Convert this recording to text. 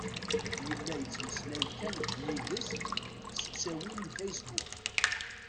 Yella yettmeslay kan d yid-s s ttawil n fasebbuk.